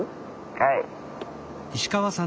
はい。